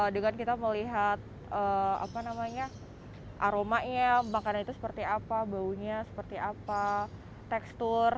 dengan kita melihat aromanya makanan itu seperti apa baunya seperti apa tekstur